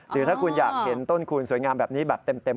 หรือถ้าคุณอยากเห็นต้นคูณสวยงามแบบนี้แบบเต็ม